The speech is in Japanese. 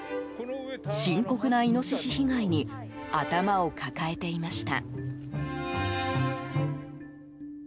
深刻なイノシシ被害に頭を抱えていました。